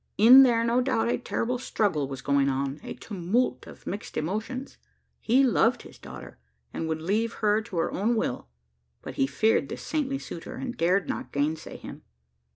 In there, no doubt, a terrible struggle was going on a tumult of mixed emotions. He loved his daughter, and would leave her to her own will; but he feared this saintly suitor, and dared not gainsay him.